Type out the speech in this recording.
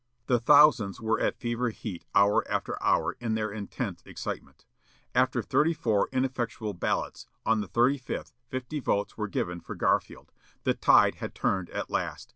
The thousands were at fever heat hour after hour, in their intense excitement. After thirty four ineffectual ballots, on the thirty fifth, fifty votes were given for Garfield. The tide had turned at last.